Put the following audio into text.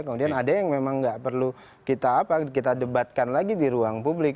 kemudian ada yang memang nggak perlu kita debatkan lagi di ruang publik